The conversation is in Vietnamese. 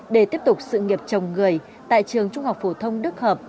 để tiếp tục sự nghiệp chồng người tại trường trung học phổ thông đức hợp